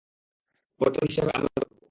পরে তোর হিসেব আমি করব।